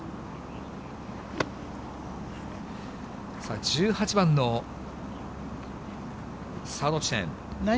さあ、１８番のサード地点。